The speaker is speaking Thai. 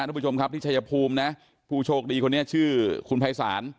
ทุกผู้ชมครับที่ชายภูมินะผู้โชคดีคนนี้ชื่อคุณภัยศาล